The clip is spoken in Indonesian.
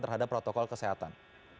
terhadap protokol kesehatan